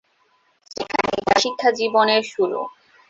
সেখানেই তার শিক্ষাজীবনের শুরু।